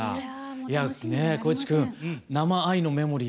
いやあねえ光一君生「愛のメモリー」